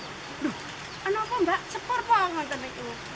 duh anakku mbak sepur pongan tadi